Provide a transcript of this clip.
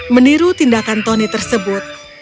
meniru tindakan tony tersebut